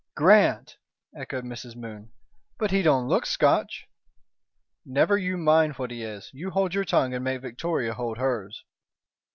"Grant!" echoed Mrs. Moon. "But he don't look Scotch." "Never you mind what he is. You hold your tongue and make Victoria hold hers."